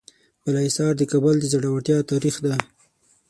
بالاحصار د کابل د زړورتیا تاریخ ده.